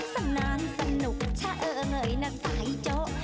สนานสนุกเฉอเงยนักสายโจ๊ก